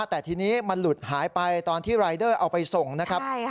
แต่ทีนี้มันหลุดหายไปตอนที่รายเดอร์เอาไปส่งนะครับ